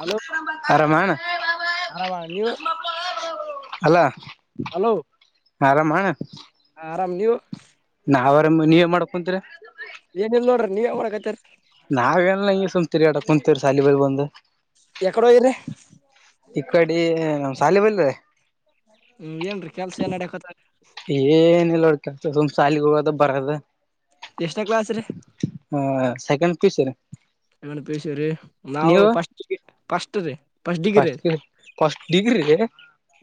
Hello Rama ಏನ hello ಆರಾಮ ನೀವು ಹಲೋ ಆರಾಮ ಆರಾಮ್ ನೀವು ನಾವ ಆರಾಮ ನೀವ್ ಮಾಡ್ಕೋ ಕುಂತ್ರಿ ಏನಲ್ ನೋಡ್ರಿ ನೀವ ಏನ ಮಾಡಕತ್ರಿ. ನಾವೆಲ್ಲಾ ಹಿಂಗ [inaudible] ಕೊಂತ ಶಾಲಿಗ ಹೋಗಿ ಬಂದ ಎಕಡೆ ಹೋಗಿರಿ ಇ ಕಡಿ ಶಾಲಿ ಬಲ್ಲೆ ರಿ ಹ್ಮ್ ಏನ್ರಿ ಕೆಲ್ಸ ಏನ್ ನಡ್ಯಾಕತ್ತಾದ. ಏನ್ [inaudible] ಶಾಲಿಗೆ ಹೋಗೋದ ಬರದ ಎಷ್ಟಾ ಕ್ಲಾಸ್ ರೀ ಹ second P U C second PUC ರಿ ನಾವು ನೀವು ಫಸ್ಟ್ ಪಿಯು ಫಸ್ಟ್ ರಿ ಫಸ್ಟ್ ಪಸ್ಟ್ ಡಿಗ್ರಿ ಹ್ಮ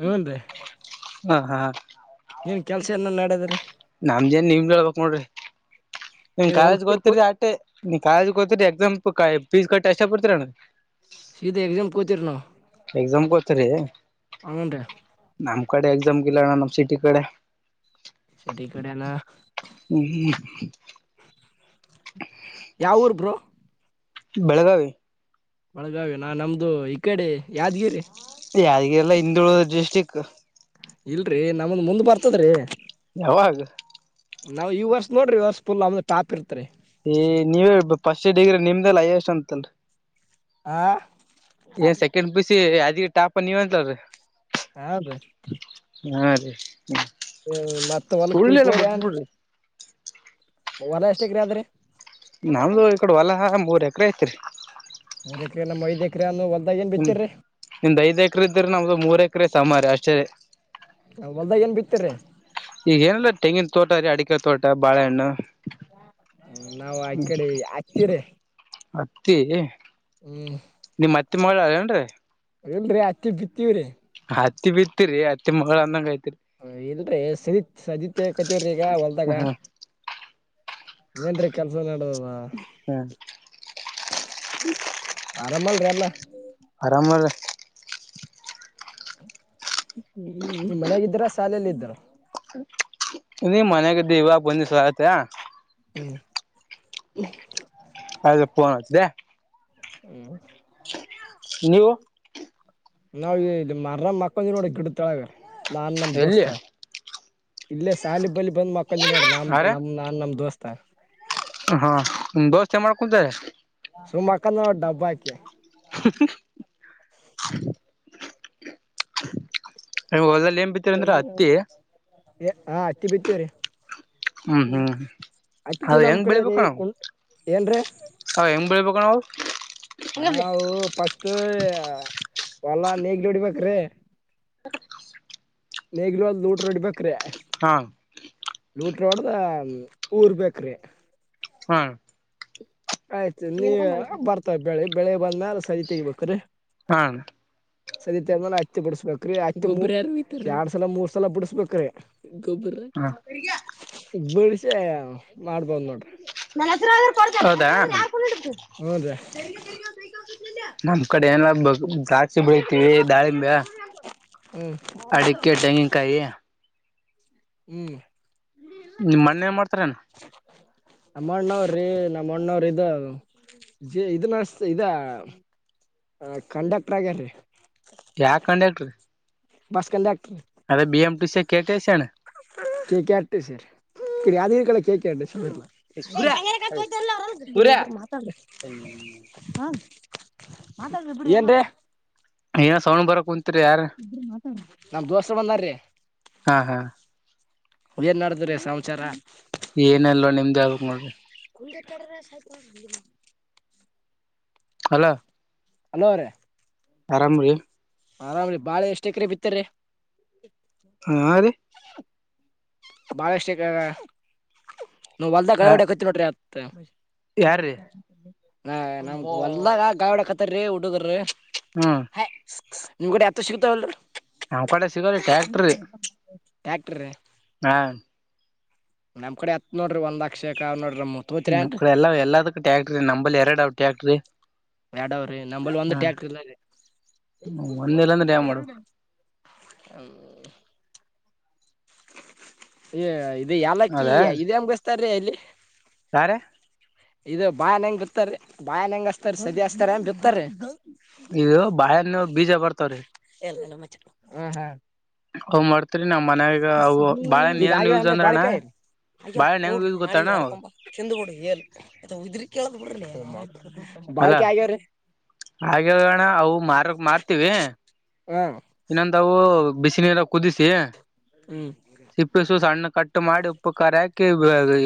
ಹ್ನ್ ರೀ ಹಾ ಹ ಏನ್ ಕೆಲ್ಸ ಎನ ನಡ್ಯದ್ರ ನಮ್ದ ಏನ ನಿಮ್ದ ಹೇಳಬೇಕ ನೋಡ್ರಿ. ನಿನ್ ಈಗ ಕಾಲೇಜ್ ಹೊಲ್ಪಲ್ ಕೂ ಹೋಗ್ತೀರಿ ಅಟ್ಟೆ ಕಾಲೇಜ್ ಹೋಗ್ತೀರಿ ಎಕ್ಸಾಮ್ ಪೀಸ್ ಕಟ್ಟ. ಚಷ್ಟಾಪುರತ್ರು [inaudible] ಸೀದಾ ಎಕ್ಸಾಮ ಹೋಗ್ತೀವಿರಿ ನಾವ ಎಕ್ಸಾಮ್ ಗ ಹೋಗ್ತೀವಿರಿ ಹುಂ ನಮ್ಮ ಕಡೆ ಎಕ್ಸಾಮ ಇಲ್ಲಣ್ಣ ನಮ್ಮ ಸಿಟಿ ಕಡೆ. ಸಿಟಿ ಕಡೆ ನ ಹ್ಮ್ ಯಾವ್ ಊರ್ ಬ್ರೊ ಬೆಳಗಾವಿ ಬೆಳಗಾವಿ ನಾ ನಮ್ದು ಈ ಕಡೆ ಯಾದಗಿರಿ ಯಾದಗಿರಿ ಹಿಂದುಳಿದ ಡಿಸ್ಟಿಕ್ ಇಲ್ರರಿ ನಮ್ದ ಮುಂದ್ ಬರ್ತದ್ರಿ. ಯಾವಾಗ ನಾವು ಈ ವರ್ಷ ನೋಡ್ರರಿ ವರ್ಷ್ ಫುಲ್ ಟಾಪ್ ಇರ್ತ್ ರೀ ಏ ನೀವೇ ಫಸ್ಟ್ ಇಯರ್ ಡಿಗ್ರಿ ನಿಮ್ದಲ್ಲ ಹೈಯೆಸ್ಟ್ ಅಂತಲ್ ಆ ರಿ ಎ ಸೆಕೆಂಡ ಪಿ ಯು ಸಿ ಇದ ಟಾಪ ನೀವ ಅಂತೀ ಯಾವ್ದು ಹಾ ರೀ ಹ ಮತ್ತ ಸುಳ್ಳೆಲ್ಲ [unintelligible] ಬಿಟ್ಬಿಡ್ರಿ ಹೊಲ ಎಷ್ಟ್ ಎಕ್ರೆ ಅದ್ರಿ ನಮ್ದು ಈ ಕಡೆ ಹೊಲ ಮೂರ್ ಎಕ್ರೆ ಐತಿ ಮೂರ್ ನಮ್ ಐದ್ ಎಕ್ರ ನು ಹೂ ನಿಮ್ದ್ ಐದ್ ಎಕರೆ ಇದ್ದ್ರೆ ನಮ್ದು ಮೂರ್ ಎಕರೆ ಸಾಮಾರ ಅಷ್ಟ [unintelligible] ಹೊಲ್ದಾಗ ಏನ್ ಬಿತ್ತೀರಿ? ಈಗ್ ಏನಿಲ್ಲ ತೆಂಗಿನ ತೋಟ ಅದೆ, ಅಡಿಕೆ ತೋಟ, ಬಾಳೆಹಣ್ಣು ನಾವ್ ಆ ಕಡೆ ಹಕ್ತೀರಿ [unintelligible] ಹ್ಮ ತ್ತ ಮಳಾ ಆಲ್ಲಏನು ರೀ ಇಲ್ರಿ ಅಕ್ಕಿ ಬಿತ್ತೀವಿ. ಹತ್ತಿ ಬಿತ್ತರಿ ಹತ್ತಿ ಮಗಳ ಅಂದಂಗ ಐ ಇಲ್ರಿೀ ಸಜ್ಜಿ ಸಜ್ಜಿ ತಗಿಕಥಿವಿ ಹೊಲ್ದಾಗ ಹ್ಮ್ ಏನ್ರಿ ಕೆಲ್ಸ ನಡ್ದದ ಹ್ಮ್ ಆರಾಮಲ್ರಿೀ ಎಲ್ಲ ಆರಾಮಲ್ಲ ಹೂ ಮನೆಗ್ಯ ಇದ್ರಯ ಶಾಲೆಯಲ್ಲಿ ಇದ್ದ್ರಾ ಹ ನೀ ಮನೆಾಗ ಇದಿದ್ದಿ ಇವಾಗ ಬಂದ ಆಗತ್ತೆ ಹ್ಮ್ [inaudible] ಅದ ಪೋನ್ ಹಚಿದೆ [unintelligible] ಹ್ಮ್ ನೀವು ನಾವು ಇಲ್ಲಿ ಮಾರದಗ ಮಕ್ಕೊಂದಿವಿ ನೋಡಿ ಇ ಕಡೆ ತಳಗ [unintelligible] ನಾನ್ ನಮ್ ಎಲ್ಲಿ ದೋಸ್ತ ಇಲ್ಲೇ ಸಾಲಿ ಬಲಿ ಬಂದ್ ಮಕ್ಕಂದವಿ ನೋಡರೀ ಅರೆ ನಾನ ನಮ್ಮ ದೋಸ್ತ್ ತ್ತಾ [unintelligible] ಚಾ ಮಾಡ್ಕೂತಾರೆ ಸು ಮಕ್ಕಾದನ ನೋಡ ಡಬ್ಬಾ ಹಾಕಿ [inaudible] ಏ ಹೋದಲ್ಲಿ [unintelligible] ಏನ ಬಿಟ್ಟಿರಿ ಅಂದರಿ ಹತ್ತಿ ಏ ಹ ಅಕ್ಕಿ ಬಿತ್ತೇವ್ರೀ ಹ್ಮ್ ಹ್ಮ್ ಅದ ನಮ್ ಹೆಂಗ್ ಕಡೆ ಬೆಳಿಬೇಕ ರೀ ಕುಂ ಏನ್ರೀ ಹ ಹೆಂಗ್ ಬೆಳಿಬೇಕ್ ಕೊ [unintelligible] ಹಾವು ಪಸ್ಟ್ ಹೊಲ ನೇಗ್ಲ್ ಹೊಡಿಬೇಕ ರೀ ಹ [inaudible] [unintelligible] ನೇಗಿಲ ಹೊಡದ ಲೂಟರ ಹಿಡಿಬೇಕು ಕ್ರ ಹಾ ಲೋಟ್ ಲೂಟರ್ ಹೊಡದ ಊರ್ ಬೇಕ್ರಿ ಹ್ಮ್ ಹ್ಮ [inaudible] ಆಯ್ತು ನೀ ಬರ್ತ ಬೆಳಿ [unintelligible] ಬೆಳ ಬಂದಗ ಸರಿ ತಗಬೇಕ್ರೀ ಹಾ [unintelligible] ಸದತ್ಯ ಅದ ಮೇಲೆ ಹತ್ತಿ ಬಿಡಿಸಬೇಕ್ರೀ ಎರಡ್ ಸಲ ಮೂರ್ ಸಲ ಬಿಡಸ್ಬೇಕ್ರೀ ನ ಬಿಡಿಸಿ ಮಾಡ್ಬೋದ್ ನೋಡ್ರಿ [inaudible] ಹೂನ್ರಿ ನಮ್ಮ್ ಕಡೆ ಎಲ್ಲ ಬ ದಾ ಚಿಬ್ಬ ಬೆಳತೀವಿ ದಾಳಿಂಬೆ ಹ್ಮ್ ಅಡಿಕ್ಕೆೆ ತೆಂಗಿನಕಾಯಿ ಹ್ಮ ನಿಮ್ಮ್ ಅಣ್ಣ ಎನ್ ಮಾಡ್ತಾರನ. ನಮ್ಮಣ್ಣವ್ರಿ ನಮ್ಮಣ್ಣವ್ರ ಇದ ಜಿ ನಸ್ ಇದ ಕಂಡಕ್ಟರ್ ಆಗ್ಯಾರ್ರೀ. ಯಾ ಕಂಡ್ಯಾಕ್ಟ್ರಿ. Bus ಕಂಡ್ಯಾಕ್. C K T C ಅಣ್ಣ K K R T C ಯಾದ ಕೆ ಕಾ ಟಿ ಸಿ ಸೂರ್ಯ ಸೂರ್ಯ [unintelligible] [unintelligible] ಏನ ಸೌಣ್ ಬರಕುಂತ್ ಯಾರ್. ನಮ್ ದೋಸ್ರು ಬಂದಾರೀ. ಹಾ ಹಾ ಏನ್ ನಾಡದ್ರೀ ಸಮಚಾರ. ಏನಲ್ವ ನಿಮ್ದೇ ಹೇಳ್ಬೇಕ ನೋಡ್ರಿ. [unintelligible] ಹಲೋ ಅವ್ರೆ. ಆರಾಮ ರೀ. ಆರಾಮ ರಿ ಬಾಳೆ ಎಷ್ಟ ಎಕರೆ ಬಿತ್ತರಿ. ಹಾ ರೀ ಬಾಳ ಎಷ್ಟ ಎಕ್ ಕ ಹೊಲದಾಗ್ ಗಳೇ ರೀ ಹೊಡ್ಯಾಕತ್ತೆವ್ ಯಾರ್ರೀ ನೋಡ್ರಿ. ತ [inaudible] ಹ ನಮ್ ಹೊಲ್ದಾಗ ಗಳೇ ಹೊಡ್ಯಾಕತ್ತರ್ ಹುಡ್ಗುರ್ರಿ. ಹಾ ನಿಮ್ಮ ಕಡೆ ಎತ್ತ ಸಿಗ್ತಾವ್ ಇಲ್ಲ ರಿ. ನಮ್ಮ ಕೂಡೆ ಸಿಗೋಲ್ಲ ಟ್ಯಾಕ್ಟ್ರಿ. ಟ್ಯಾಕ್ಟ್ರ ಹಾ ನಮ್ ಕಡೆ ಎತ್ ನೋಡ್ರಿ ಒಂದ್ ಲಕ್ಷಕ ಅವಾ ನೋಡ್ರಿ. ನಮ್ ತೋತಿರೇನ್ರಿ ಹ್ಮ್ ಎಲ್ಲಾ ಎಲ್ಲದಕ್ಕ ಟ್ಯಾಕ್ಟ್ರಿ ನಂಬಲ್ ಎರಡಾವ ಟ್ಯಾಕ್ಟ್ರಿ. ಯಾಡ್ ಅವಾರಿ ನಂಬಲ್ಲಿ ಒಂದ್ ಹಾ ಟ್ಯಾಕ್ಟ್ರಿ ಇಲ್ಲಾರಿ ಒಂದಿಲ್ಲ ಅಂದ್ರೆ ಏನ್ ಮಾಡು ಹ್ಮ್. ಏ ಇದ ಇ ಯಾಲ್ಲಕ್ಕಿ ಇದ ಹೆಂಗ್ ಬೆಸ್ತಾರ್ [unintelligible] ಯಾರ್ ಇದು ಬಾಯಾನ ಹೆಂಗ್ ಬಿತ್ತಾರೀ ಬಾಯನ್ ಹೆಂಗ ಅಸ್ತಾರಿ ಸದೀ ಹಸ್ತಾರಿ ಬಿತ್ತಾರಿ. ಇ ಬಾಳ್ಯಾನ ಬೀಜ ಬರ್ತವ್ರೀ. ಎಲ್ಲ ಮ [unintelligible] ಹ್ ಮಾಡ್ತ [unintelligible] ಕಿಸ ಹ್ಮ ಈಗ ಆ ಅಂದ್ರ ಅಂದ್ರಣ್ಣ ಬಾಳಿಕಾಯರಿ ಈಗ ಬಾಳೆಹಣ್ಣ ಹೋಗ ಹೆಂಗ್ ಯೂಸ್ ನಾಳೆ ಗೊತ್ತಣ್ಣ ಅವು ಯರ್ಕೊಂಬ ಚಂದ್ ಬಿಡು ಎಲ್ ಉದ್ರ [inaudible] ಅಲ ಹಾಗಗಾಗಣ ಅವು ಮಾರಕ್ ಮಾರ್ತೀವಿ ಹಾ ಇನ್ನೊಂದಾವು ಬಿಸಿನೀರ ಕುದಿಸಿ ಹ್ಮ್ ಸಿಪ್ಪ ಸು ಸಣ್ಣ ಕಟ್ಟು ಮಾಡಿ ಉಪಕಾರ ಹಾಕಿ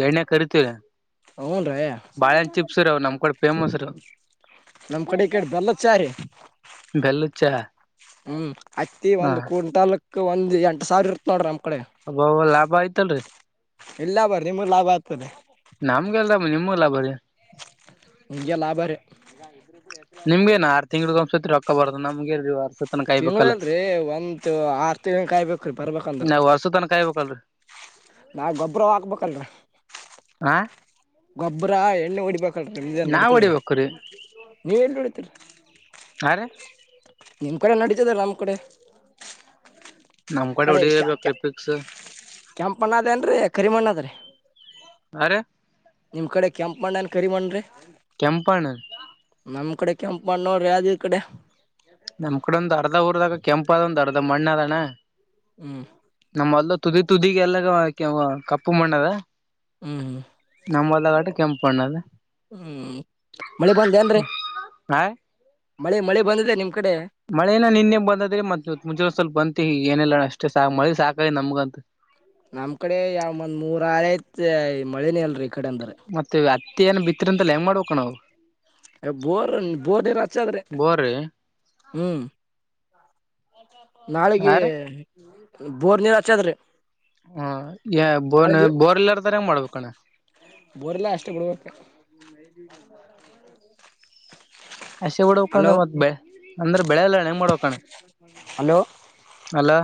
ಎಣ್ಣೆ ಕರಿತೀವೆ ಹ್ಞೂನ್ರಿ ಬಾಳೆಹನ್ ಚಿಪ್ಸ್ ರಾವ್ ನಮ್ ಕಡೆ ಫೇಮಸ್ ರ ನಮ್ ಕಡೆ ಈ ಕಡೆ ಬೆಲ್ಲದ ಚಾರಿ ಬೆಲ್ಲಚ್ಚ ಹೂ ಹತ್ತಿ ಒಂದು ಕ್ವಿಂಟಲ್ ಒಂದು ಎಂಟು ಸಾವರ ಇತ್ತ ನೋಡ್ರಮ ಒಬ್ಬ ಲಾಭ ಆಯಿತಲ್ಲರಿ ಇಲ್ಲ ಬರ ನಿಮ್ದ ಲಾಭ ಆಗ್ತದೆ ನಮ್ಗೆಲ್ರಮ್ಮ ನಿಮ್ಮಲ್ಲ ಬರೀ ಇಗೆ ಲಾಭರಿ ನಿಮಗೆ ಆರು ತಿಂಗಳು ಒಂದ್ಸರಿ ರೊಕ್ಕ ಬರತೈತೆ ನಮಗೆ ರಿವರ್ಸ್ ತಿಂಗಳಲ್ರರಿ ಒಂದ ಆರ್ ತಿಂನ್ ಕಾಯ್ಬೇಕ್ರಿ ಬರ್ಬೇಕಂದ್ರ ನಾವ್ ವರ್ಷ ತನ ಕಾಯ್ಬೇಕಲ್ರರಿ ನಾ ಗೊಬ್ಬರ ಹಾಕ್ಬೇಕಲ್ರ ಹಾ ಗೊಬ್ಬರ ಎಣ್ಣಿ ಹೊಡಿಪ್ಪ ಇದ ನಾವ್ ನಡತಾರೆ ಹೊಡಿಬೇಕ್ರೀ ನೀ ವ ಎಲ್ಲಿ ನೋಡತೀರಿ ಆರೆ ನೀಮಕರ ನಡಿತದ ನಮಕಡೆ ನಮ್ [unintelligible] ಕಡೆ ಹೊಡಿಲೇಬೇಕ್ರೀ ಪಿಕ್ಸ್ ಕೆಂಪಣ್ಣದೇಏನ್ೀ ಕರಿಮಣ್ಣ ಅದ್ರಿ ಅರೆ ನಿಮ್ ಕಡೆ ಕೆಂಪ್ಮನ್ ಅಥವಾ ಕರಿಮಂಡ್ರಿ ಕೆಂಪ ಅಣ್ಣ ಕಡೆ ಕೆಂಪ್ಣ್ಣರೋ ಯಾದ್ಗೀರ್ ಕಡೆ ನಮ್ ಕಡೆ ಒಂದಂದು ಅರ್ಧ ಊರ್ದಾಗ ಕೆಂಪ ಅದ ಒಂದು ಅರ್ಧ ಮಣ್ಣ ಅ ಹ [unintelligible] ಹ್ಮ ನಮ್ಮಲ್ಲ ತುದಿ ತುದಿಗೆ ಎಲ್ಲ ಕಪ್ಪು ಮಣ್ಣದ ಹ್ಮ್್ಮ ನಮ್ಮದಗಟ ಕೆಂಪುಣ್ಣದ ಹ್ಮ್ ಮಳೆ ಬಂದೆ ಅಲ್ರರಿ ಆಾ್ [unintelligible] ಮಳೆ ಮಳೆ ಬಂದಿದೆ ನಿಮ್ ಕಡೆ ಮಳೆನ ನಿನ್ನೆ ಬಂದಾದ್ರೆ ಮತ್ತತ್ ಮುಂಜ ಸ್ವಲ್ಪ ಬಂತಿ ಏನಿಲ್ಲ ಅಷ್ಟೇ ಸಾಕ ಮ ಸಾಕಳ ನಂಗಂತೂ ನಮ್ ಕಡೆ ಯಾವ ಮಂದ್ ಮೂರ ಆರು ಐತ್ ಮಳನೇ ಅಲ್ರಿ ಕಡೆ ಅಂದ್ರ ಮತ್ತೆ ಅತ್ತಿ ಏನ್ ಬಿತ್ ಅಂತಲ್ಲ ಹೆಂಗ್ ಮಾಡ್ಬೇಕಣ ನಾವು ಎ ಬೋರ್ ಬೋರ್ ನೀರ್ ಹಚ್ಚಾದ್ರೆ ಬೋರಿ ಹ್ಮ್ ನಾಳೆಗೆ ಹ ಬೋರ್ ನೀರ್ ಹಚ್ಚಾದ್ರೆ ಹ್ಮ ಬೋರ್ ಬೋರ್ಲ್ಲರ್ತಾರ ಹೆಂಗ ಮಾಡ್ಬೇಕಣ್ಣ ಹ್ಮ ಹ ಹಸೆ ಹೊಡಕಂದ್ರೆ ಮತ್ತತ್ ಬೆ ಅಂದ್ರೆ ಬೆಳೆಲ್ಲಣ ಹೆಂಗ್ ಮಾಡಬೇಕಣ ಹಲೋ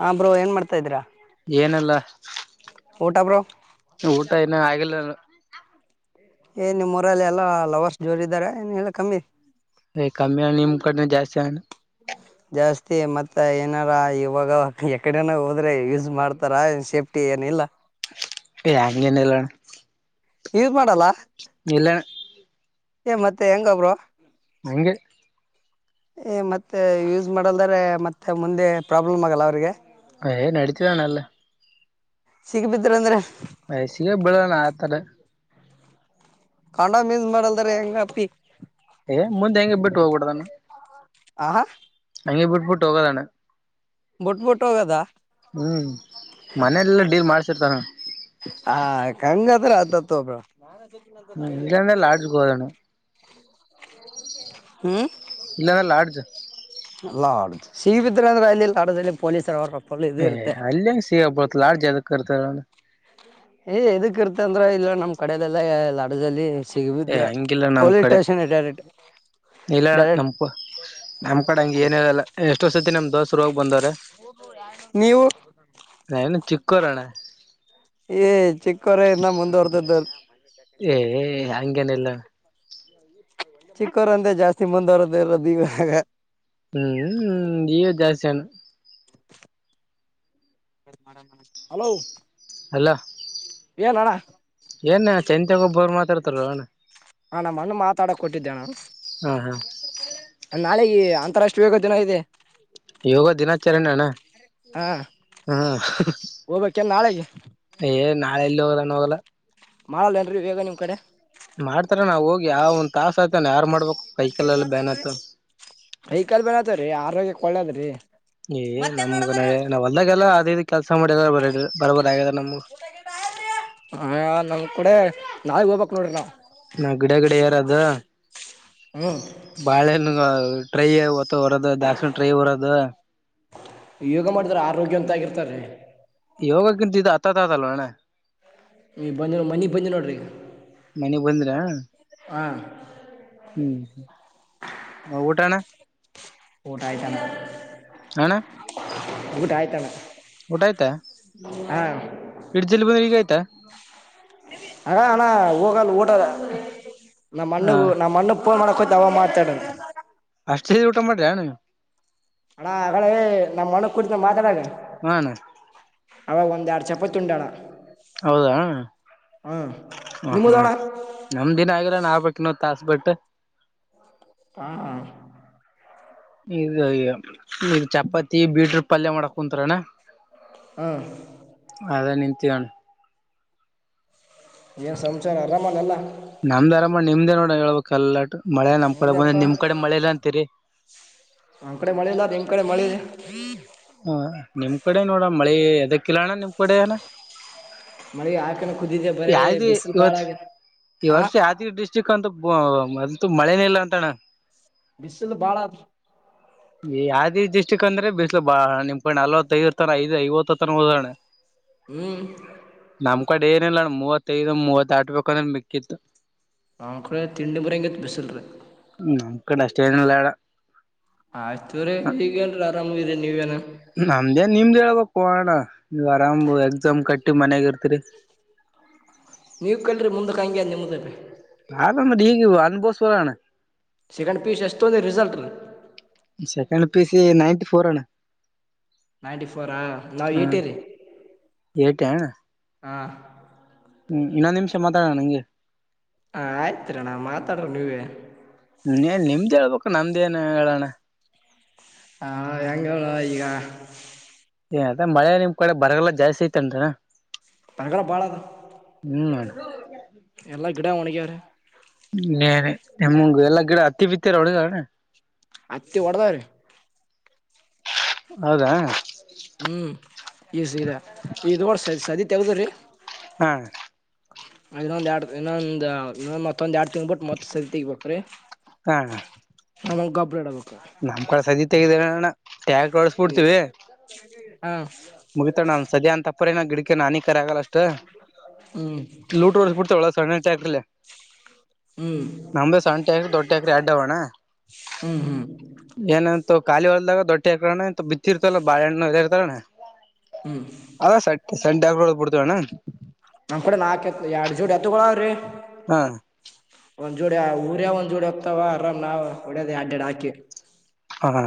ಹಾ ಬ್ರೋ ಏನ್ ಮಾಡ್ತಾ ಇದೀರಾ ಏನಿಲ್ಲ ಊಟ ಬ್ರೋ ಇನ ಆಗಿಲ್ಲ ಏ ನಿಮ್ಮ್ ಊರಲ್ಲಿ ಎಲ್ಲಾ ಲವರ್ಸ್ ಜೋರ ಇದ್ದಾರೆ ನ್ ಎಲ್ಲ ಕಮ್ಮಿ ಕಮ್ಮಿ ನಿಮ್ ಕಡ ಜಾಸ್ತಿ ಆಣ ಜಾಸ್ತಿ ಮತ್ತ ಏನಾರ ಇವಾಗ ಎಕಡೆನ ಹೋದ್ರೆ ಯೂಸ್ ಮಾಡ್ತಾರ ಸೇಫ್ಟಿ ಏನಿಲ್ಲ ಅಂಗಗೆನಿಲ್ಲಣ ಇ [inaudible] ಇಲ್ಲಣ್ಣ ಏ ಮತ್ತೆ ಹೆಂಗಬ್ರು ಹಂಗೆ ಏ ಮತ್ತೆ ಯೂಸ್ ಮಾಡಲ್ದ್ರ ಮತ್ತೆ ಮುಂದೆ ಪ್ರಾಬ್ಲಮ್ ಆಗಲ್ಲ ಅವ್ರಿಗೆ ನಡತಿದನ ಎಲ್ಲ ಸಿಗ್ಬಿದ್ರ ಅಂದ್ರೆ ಸಿಗಬಿಲ್ಲ ಆತರ [inaudible] ಯೂಸ್ ಮಾಡಲ್ದರಿ ಹೆಂಗ ಅಪ್ಪಿ ಏ ಮುಂದೆ ಹೆಂಗೆ ಬಿಟ್ಟು ಹೋಗಬಡದಾನ ಆಹ ಹಂಗೆ ಬಿಟ್ಬಿಟ್ಟು ಹೋಗೋದಾನೆ ಬುಟ್ಬುಟ್ ಹೋಗದ ಹ್ಮ್ ಮನೇಲೆಲ್ಲ ಡೀಲ್ ಮಾಡ್ಸಿರ್ತಾರಣ್ಣ ಹ ಹಂಗೆಗತ್ರ ಹತಾತೋಪ್ಪಾ ತೆ ಹ್ಮ್ ಐಡಿಯಾ ಇಲ್ಲಾಂದ್ರೆ ಇದ್ವೆ ಲಾಡ್ಜ್ಗೆ ಹೋದಣ್ಣ ಹ್ಮ ಇಲ್ಲಣ್ಣ ಲಾಡ್ಡ್ಜ ಲಾಡ್ಜ್ ಸಿಗ್ಬಿದ್ರ ರ್ಯಾಲಿ ಲಾಡ್ಜ್ ದಲ್ಲಿ ಪೊಲೀಸರು ಹ ಅಲ್ಲ ಹೆಂಗ ಸಿಗಬಡ ಲಾಡ್ಜದು. [unintelligible] ಏ ಎದಕ್ ಇರ್ತ ಅಂದ್ರ ಇಲ್ಲ ನಮ್ ಕಡದೆಲ್ಲಾ ಲಾಡ್ಜ್ ಅಲ್ಲಿ ಏ ಹಂಗಿಲ್ಲ ನಮ್ ಕಡೆ ಡೈರೆಕ್ಟ್ ಇಲ್ಲಣ್ಣ ಡೈರೆಕ್ಟ್ ನಮ ನಮ್ ಕಡೆ ಹಂಗ ಏನೀರಲ್ಲ ಎಷ್ಟೋಸತಿ ನಮ ದೋಸರು ಹೋಗಿ ಬಂದವ್ರ ನೀವು ನಾವ ಇನ್ನೂ ಚಿಕ್ಕೋರಣ್ಣ. ಏ ಚಿಕ್ಕೋರೆಯಿನ್ನ ಮುಂದುವರ್ದದ್ದ. A A ಹಂಗೇನಿಲ್ಲಾ. ಚಿಕ್ಕವರಂದೆ ಜಾಸ್ತಿ ಮುಂದುವರದೇ ಇರದ ಇವಾಗ. ಹ್ಮ್ ಹ್ಮ್ ಇಗೆ ಜಾಸ್ತಿ ಅಣ್ಣಾ. ಹಲೋ ಹಲ್ಲ ಏನ್ ಅಣ್ಣ ಏನ್ ಚಂತೆಗ ಒಬ್ಬರ್ ಮಾ ತರ್ತ ಅಣ್ಣಾ. ಹ ನಮ್ಮಣ ಮಾತಾಡಕ್ ಕೊಟ್ಟಿದ್ದೆ ನಾನು. ಹಾ ಹಾ ಅಣ್ಣ ನಾಳೆಗೆ ಅಂತಾರಾಷ್ಟ್ರೀಯ ಯೋಗ ದಿನ ಇದೆ. ಯೋಗ ದಿನಾಚರಣ ಅಣ್ಣ ಹಾ ಹ ಹೋಗ್ಬೇಕೇನ್ ನಾಳೆಗೆ ಏ ನಾಳೆ ಎಲ್ಲಿ ಹೋಗ ನ್ನೂ ಹೋಗಲ್ಲ. ಮಾಡಲ್ಲೇನ್ರೀ ಇದೆಲ್ಲಾ ನಿಮ್ ಕಡೆ? ಮಾಡ್ತಾರ ನಾವ್ ಹೋಗಿ ಯಾವ ಒಂದ್ ತಾಸ ಆಯತನ ಯಾರ ಮಾಡ್ ಕೈಕಾಲ ಬ್ಯಾನ್ ಆಯ್ತಾವ್ರಿ ಆತ್ ಆರೋಗ್ಯಕ್ ಒಳ್ಳೇದ್ರೀ. ಏ ನಮ್ಗ ನಾವ್ ಹೋಲ್ದಾಗೆಲ್ಲಾ ಕೆಲಸ ಮಾಡ ಒಡ್ಯಾಡ್ ಬರೋಬ್ಬರ್ ಆಗ್ಯದ ನಮ್ಗ ಹ ನಮ್ ಕೂಡೆ ನಾಳಿಗ್ ಹೋಗ್ಬೇಕ್ ನೋಡ್ರಿ ನಾವ. ನಾ ಗಿಡ ಗಿಡ ಎರದು. ಹ್ಮ್ ಬಾಳೆಹಣ್ಣ ಅ ಟ್ರೈ ಹೊತ್ತು ಹೊರೋದು ದಾಕ್ಷಿಣ ಟ್ರೈ ಹೊರೋದು ಯೋಗ ಮಾಡಿದ್ರ ಆರೋಗ್ಯ ಅಂತ ಆಗರ್ತಾರ ರಿ. ಯೋಗಕ್ಕಿಂತ ಇ ಆತತ ತಾದಲ್ಲೊ ಅಣ್ಣ. ಈಗ ಬಂದ ಮನಿಗ್ ಬಂದ ನೋಡ್ರಿ ಈಗ್. ಮನೆಗ್ ಬಂದ್ರ. ಹಂ ಹ್ಮ್ ಊಟಾ ಅಣ್ಣಾ. ಊಟ ಆಯ್ತಾ ಅಣ್ಣಾ. ಹಾ ಅಣ್ಣ ಊಟ ಆಯ್ತಾ ಹಾ ಇಟ್ ಜಲ್ ಬಂದ್ರ ಈಗ ಆಯ್ತಾ. [unintelligible] ಅಣ್ಣ ಅಣ್ಣಾ ಹೋಗಲ್ಲ ಊಟದ ಹ ನಮ್ಮಣ್ಣಗು ನಮ್ಮಣ್ಣ ಮ ಕೊ ಅವ ಮಾತಾಡದು ಅಷ್ಟು ಹೇಳ ಊಟ ಮಾಡ್ರಿ ನೀವು ಹಣ ಹಾಗ ನಮ್ಮ ಮಣ ಕುಡತ ಮಾತಾಡಾಗ ಹಣ ಅವಾಗ ಒಂದ್ ಎರಡ್ ಚಪತಿ ಉಂಡಣ ಹೌದಾ ಹಾ ಹ ಹಾ ನಿಮ್ಮದಣ ನಮ ದಿನ ಆಗಿಲ್ಲ ಅಣ ಆಗ ಬೇಕು ಕನೋ ತಾಸ ಭಟ್ಟ ಹಾ ಈ ಈ ಚಪಾತಿ ಬೀಟ್ರರು ಪಲ್ಯ ಮಾಡಕ್ ಕುಂತರನಾ ಹ್ಮ ಮುತ್ತಣ ಏನ್ ಸಂಚಾರ ಆರಾಮಾನಲ್ಲ ಹೇಳ್ಬೇಕಕ್ ಎಲ್ಲಾಟು ಮಳೆ ನಮ್ ಕಡೆ ಹೆ ಬಂದ ಅ ನಿಮ್ ಕಡೆ ಮಳೆ ಇಲ್ಲ ಅಂತೀರಿ ಆಮ ಕಡೆ ಮಾಡಿಲ್ಲತ್ ನಿಮ ಕಡೆ ಮಾಡಿ ಹ್ಮ ಹ ನಿಮ್ ಕಡೆ ನೋಡ ಮಳಿ ಎದಕ್ಕಿಲ್ಲಣ್ಣ ನಿಮ್ ಕಡೆ ಅನ ಮಳೆ ಆಕಿನ ಯಿ ಇವತ್ ಈ ಆ ವರ್ಷ ಯಾದಿ ಡಿಸ್ಟಿಕ್ ಅಂತ ಅಂತೂ ಮಳೆನ ಇಲ್ಲ ಅಂತಣ್ಣ ಬಿಸಿಲು ಬಾಳ ಆದ ಯಾವೀ ದಷ್ಟಕ್ ಅಂದ್ರೆ ಬಿಸ್ಲು ಬಾಳ ನಿಮ್ ಕ ನಲ್ವತ್ತೈದು ತನ ಐದು ಐವತ್ತು ತನ ಓದೋಣ ಹ್ಮ್ ಒ ಕಡೆ ಏನ ಇಲ್ಲಣ ಮೂವತ್ತೈದು ಮೂವತ್ ಆಬೇಕುಂದ್ರೆ ಮಿಕ್ಕಿತ್ತು ನ ಕೂಡ ತಿಂಡಿಮರಂಗ ಬಿಸಿಲ್ ರ ಡಸ್ಟ್ಬೇನ್ಲ್ಲಡ ಆಯ್ತುರೀ ಹಗೇನ್ರೀ ಆರಾಮ್ರ ನೀವ ನ ಣ ನೀವ್ ಆರಾಮು ಎಕ್ಸಾಮ್ ಕಟ್ಟಿ ಮನಾಗ ಇರ್ತೀರಿ ನೀವು ಕಲ್ರಿ ಮುಂದಕ್ಕೆ ಹಂಗೆ ನಿಮದೇ ಭೀ ಆದಮ್ಮಗ ಅನುಬೋಸ್ರಣ ಸೆಕೆಂಡ್ ಪೀಸ್ ಎಸ್ಂದ ರಿಸಲ್ಟ್ ಪ ಸಿ ನೈನ್ಟಿಫೋರ್ ನೈಂಟಿ ಫೋರ್ ಆ ನಾವ್ ಏಟಿರಿ ಏಟ ಅಣ್ಣ ಹಾ ಹ್ಮ್ ಇನ್ನೊಂದು ನಿಮಿಷ ಮಾತಾಡೋಣ ನಂಗೆ ಹ ಆಯ್ತೀರಣ ಮಾತಾಡರು ನೀವೇ ನಮ್ದೇಏನು ಹೇಳಣ ಹಾ ಎಂಗಳ ಈಗ ಏ ಅದ ಮಳೆ ನಿಮ್ ಕಡೆ ಬರಗೆಲ್ಲ ಜಾಸ್ತಿ ಐತೆಅಲ್ರನ ತೆಳ್ಳಗ ಬಾಳ ಅದ ಎಲ್ಲ ಗಿಡ ಗಿಡ ಒಣಗಿದವರಿ ಎಲ್ಲಾ ಗಿಡ ಗಿಡ ಹತ್ತಿ ಬಿತ್ತ ರೋಳಗಣನೆ. ಹತ್ತಿ ಹೊಡದಾವ ರೀ. ಹೌದಾ ಹ್ಮ್ ಇ ಸೀದಾ ಇದ [inaudible] ತೆವುದರೆ ಹ ಇನ್ನೊಂದ ಎರಡು ಇನ್ನೊಂದ ಮತ್ತೊಂದ ಎರಡ್. ಬಟ್ ಮತ್ತ ಸಂತಿ ಗ ತೆಗಿಬೇಕ್ರಿ ಹಾ ನಮಗ ಅಡ [inaudible] ನಮ್ ಕಳ ಸದೀತೆಗಣ [inaudible] ಹಾ ಮುಗಿತನ್ನ ಸದ್ಯ ಅಂತ ಪರಿ ಗಿಡಕ ಏನ್ ಹಾನಿಕರ ಆಗಲ್ಲಷ್ಟು ಹ್ಮ್ ತ್ತ ಲೂಟ ವಾಡಡ್ ಬಿಡ್ತವೆಳ ಸಣ್ಣ ತೆಕ್ಕಳೆ ಹ್ಮ್ ನಮ್ದ ಸಣ್ಣ ಹಾಕ ದೊಡ್ಟ್ಟ ಹಾಕ್ರ ಅಡ್ವಣ್ಣ ಹ್ಮ್ ಹ್ಮ್ ಏನ ಇ ಖಾಲಿ ಹೊಲ್ದಾಗ ದೊಟ್ಟಿ ಹಾಕಣ ಇ ಬಿತ್ತಿ ಇರ್ತಲ್ಲ ಬಾಳಹಣ್ಣು ಇ ಇರ್ತಾರಾನ. ಹ್ಮ್ ಅದ ಸಂಡೇ ಆಗ್ಬಡ್ತ. ಇದ್ದು ಅನ ನಮ್ ಕಡೆ ನಾಕ ಎತ್ ಎರಡ್ ಜೋಡ್ ಎತ್ತಗಳಾವ್ರೀ. ಹಾ ಒಂದ್ ಜೋ ಊರೇ ಒಂದ್ ಜೋಡೆ ಹೋಗ್ತವ ಅರಾಮ್ ನಾವ್ ಹೊಡದ ಅಡ್ಡ್ಯಾಡ್ ಹಾಕಿ. ಹ ಹ